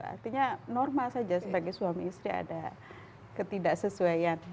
artinya normal saja sebagai suami istri ada ketidaksesuaian